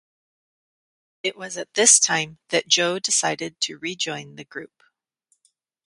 It was at this time that Joe decided to rejoin the group.